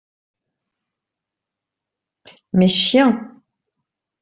Mes chiens.